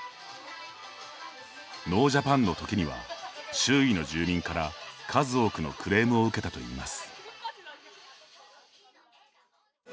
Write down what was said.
ノージャパンの時には周囲の住民から数多くのクレームを受けたといいます。